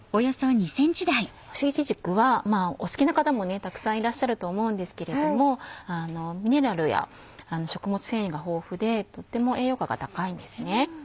干しいちじくはお好きな方もたくさんいらっしゃると思うんですけれどもミネラルや食物繊維が豊富でとっても栄養価が高いんですね。